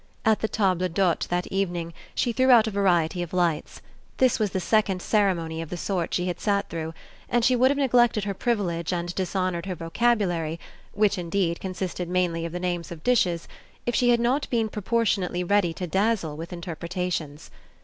At the table d'hôte that evening she threw out a variety of lights: this was the second ceremony of the sort she had sat through, and she would have neglected her privilege and dishonoured her vocabulary which indeed consisted mainly of the names of dishes if she had not been proportionately ready to dazzle with interpretations.